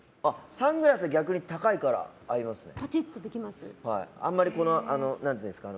サングラスは逆に高いから合いますね。